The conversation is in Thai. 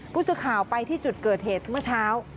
ผู้สื่อข่าวไปที่จุดเกิดเหตุเมื่อเช้า